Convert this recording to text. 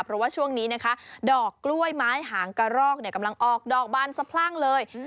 เพราะว่าช่วงนี้นะคะดอกกล้วยไม้หางกระรอกกำลังออกดอกบานสะพรั่งเลย